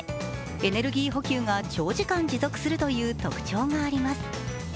エネルギー補給が長時間持続するという特徴があります。